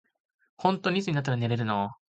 ほんとにいつになったら寝れるの。